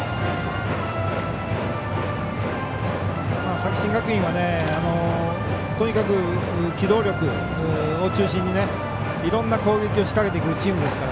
作新学院は、とにかく機動力を中心に、いろんな攻撃を仕掛けてくるチームですから。